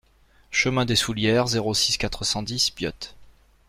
Chemin des Soullieres, zéro six, quatre cent dix Biot